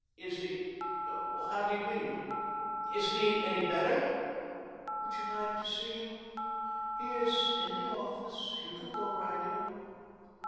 "Is he how do you mean? Isn't he any better?" "Would you like to see him? He is in the office. You can go right in."